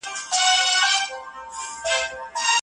محدود فکر د ژوند موخې له منځه وړي.